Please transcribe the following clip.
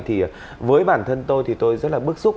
thì với bản thân tôi thì tôi rất là bức xúc